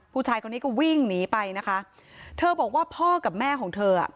ผู้ชายคนนี้ก็วิ่งหนีไปนะคะเธอบอกว่าพ่อกับแม่ของเธออ่ะ